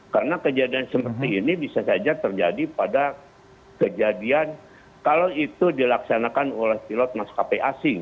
karena kejadian seperti ini bisa saja terjadi pada kejadian kalau itu dilaksanakan oleh pilot maskapai asing